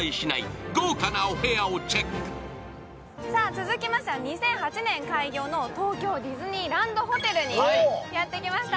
続きましては２００８年開業の東京ディズニーランドホテルにやってきました